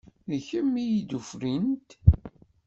D kemm i d tufrint.